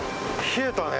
冷えたね。